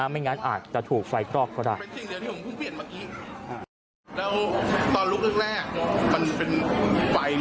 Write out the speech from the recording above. ไม่งั้นอาจจะถูกไฟคลอกก็ได้